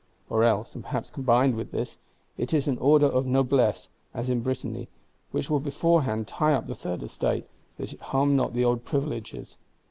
Or else, and perhaps combined with this, it is an order of Noblesse (as in Brittany), which will beforehand tie up the Third Estate, that it harm not the old privileges.